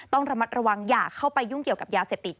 ต้องระมัดระวังอย่าเข้าไปยุ่งเกี่ยวกับยาเสพติด